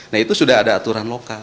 nah itu sudah ada aturan lokal